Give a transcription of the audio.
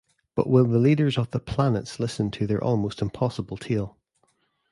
But will the leaders of the planets listen to their almost impossible tale?